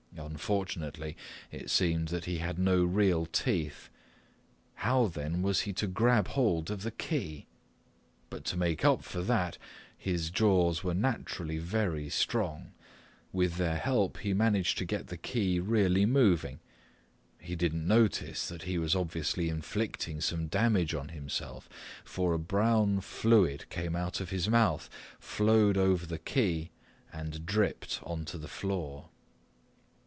Unfortunately it seemed that he had no real teeth. How then was he to grab hold of the key? But to make up for that his jaws were naturally very strong; with their help he managed to get the key really moving. He didn't notice that he was obviously inflicting some damage on himself, for a brown fluid came out of his mouth, flowed over the key, and dripped onto the floor.